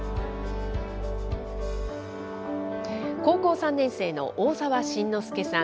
高校３年生の大澤新之介さん。